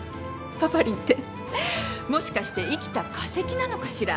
パパリンってもしかして生きた化石なのかしら？